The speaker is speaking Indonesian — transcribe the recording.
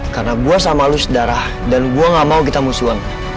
karena gue sama lo sedara dan gue gak mau kita musuhan